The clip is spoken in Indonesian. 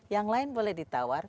yang lain boleh ditawar